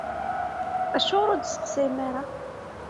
Acuɣer ur d-testeqsayem ara?